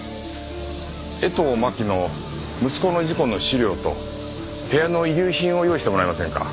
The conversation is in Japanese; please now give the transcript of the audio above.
江藤真紀の息子の事故の資料と部屋の遺留品を用意してもらえませんか？